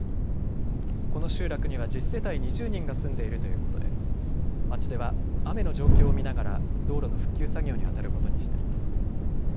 この集落には１０世帯２０人が住んでいるということで町では雨の状況を見ながら道路の復旧作業にあたることにしています。